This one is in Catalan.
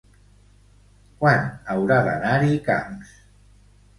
Quan haurà d'anar-hi Camps?